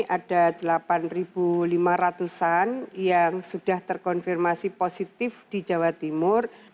ada delapan lima ratus an yang sudah terkonfirmasi positif di jawa timur